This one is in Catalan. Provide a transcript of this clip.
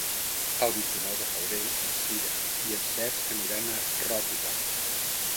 El vint-i-nou de febrer na Sira i en Cesc aniran a Ròtova.